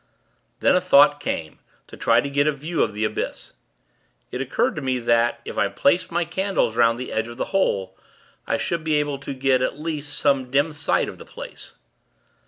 Then, a thought came, to try to get a view of the abyss. It occurred to me that, if I placed my candles 'round the edge of the hole, I should be able to get, at least, some dim sight of the place.